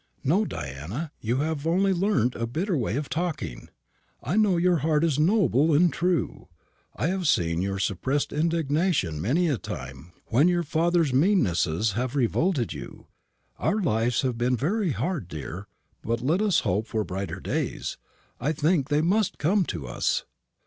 "No, Diana; you have only learnt a bitter way of talking. I know your heart is noble and true. I have seen your suppressed indignation many a time when your father's meannesses have revolted you. Our lives have been very hard, dear; but let us hope for brighter days. I think they must come to us."